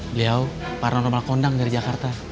beliau paranorma kondang dari jakarta